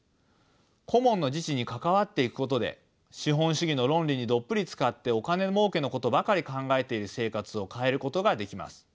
コモンの自治に関わっていくことで資本主義の論理にどっぷりつかってお金もうけのことばかり考えている生活を変えることができます。